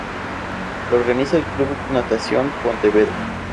Lo organiza el Club Natación Pontevedra.